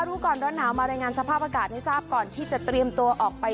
รู้ก่อนร้อนหนาวมารายงานสภาพอากาศให้ทราบก่อนที่จะเตรียมตัวออกไป